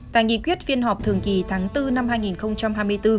tại nghị quyết phiên họp thường kỳ tháng bốn năm hai nghìn hai mươi bốn